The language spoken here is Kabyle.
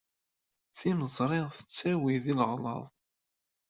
Timeẓri tettawey deg leɣlaḍ.